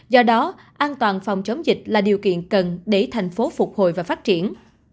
do đó an toàn phòng chống dịch là điều kiện cần để thành phố phục hồi và phát triển